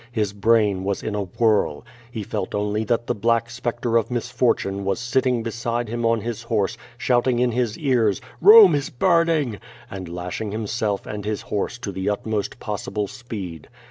His brain was in a whirl. He felt only that the black spectre of misfortune was sitting beside him on his horse, shouting in his ears "Rome is burning," and lashing himself and his horse to the utmost possible speed.